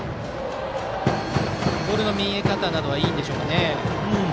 ボールの見え方などはいいんでしょうか。